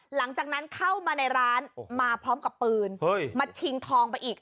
หลังจากนั้นเข้ามาในร้านมาพร้อมกับปืนมาชิงทองไปอีก